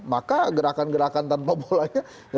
maka gerakan gerakan tanpa bolanya